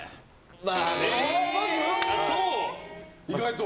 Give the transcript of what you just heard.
意外と。